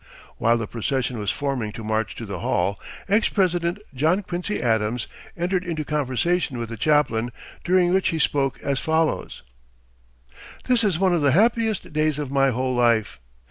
While the procession was forming to march to the Hall, ex President John Quincy Adams entered into conversation with the chaplain, during which he spoke as follows: "This is one of the happiest days of my whole life.